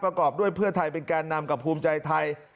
ประกอบด้วยเพื่อไทยเป็นแกนนำกับภูมิใจไทย